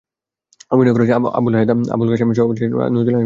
অভিনয় করেছেন আবুল হায়াত, আবুল কাশেম, শাহেদ শরীফ, নাদিয়া, শৈলী আহসান প্রমুখ।